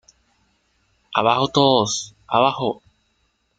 ¡ abajo todos! ¡ abajo!